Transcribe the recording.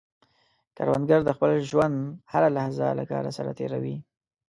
کروندګر د خپل ژوند هره لحظه له کار سره تېر وي